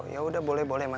ya udah boleh boleh ma